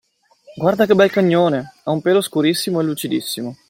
Guarda che bel cagnone! Ha un pelo scurissimo e lucidissimo!